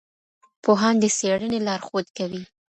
پوهان د څېړنې لارښود کوي.